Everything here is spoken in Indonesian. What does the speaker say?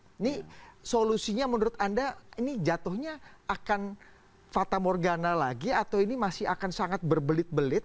jadi solusinya menurut anda ini jatuhnya akan fata morgana lagi atau ini masih akan sangat berbelit belit